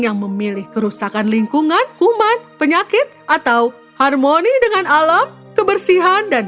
yang memilih kerusakan lingkungan kuman penyakit atau harmoni dengan alam kebersihan dan